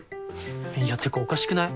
いやというかおかしくない？